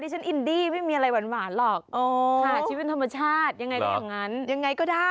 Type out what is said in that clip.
เจออีกแล้วค่ะวนค่ะวิ่งวน